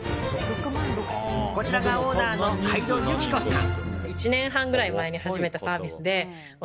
こちらがオーナーの海渡由紀子さん。